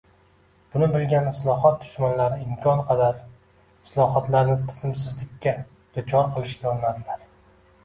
Buni bilgan islohot dushmanlari imkon qadar islohotlarni tizimsizlikka duchor qilishga urinadilar.